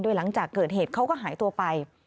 หลังจากเกิดเหตุเขาก็หายตัวไป